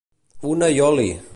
Una i oli!